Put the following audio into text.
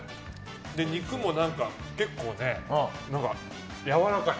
肉も結構ね、やわらかい。